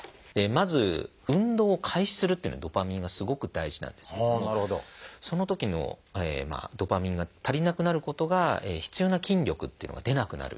まず運動を開始するっていうのにドパミンがすごく大事なんですけどもそのときのドパミンが足りなくなることが必要な筋力というのが出なくなる。